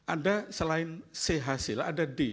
ada selain c hasil ada d